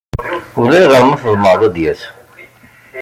Ulayɣer ma tḍemɛeḍ ad d-yas.